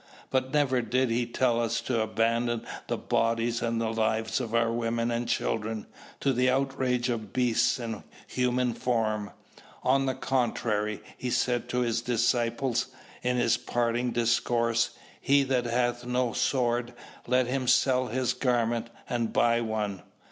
But never did He tell us to abandon the bodies and the lives of our women and children to the outrage of beasts in human form. On the contrary, He said to His disciples, in His parting discourse, "He that hath no sword let him sell his garment and buy one."